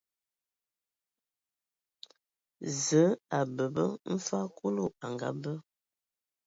Zǝǝ a bǝbǝ mfag Kulu a ngabǝ.